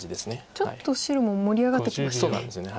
ちょっと白も盛り上がってきましたね。